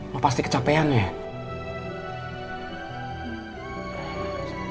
lu pasti kecapean ya